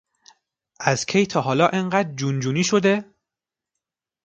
از کی تا حالا اینقدر جون جونی شده؟